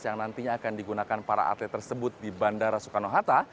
yang nantinya akan digunakan para atlet tersebut di bandara soekarno hatta